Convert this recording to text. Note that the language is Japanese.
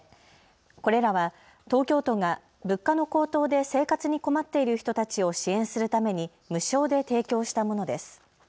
これらは東京都が物価の高騰で生活に困っている人たちを支援するために無償で提供したものです。